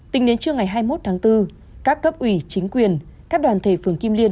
tính đến trưa ngày hai mươi một tháng bốn các cấp ủy chính quyền các đoàn thể phường kim liên